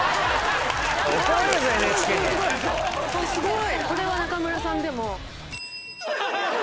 すごい！